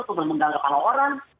untuk mengendalikan kepala orang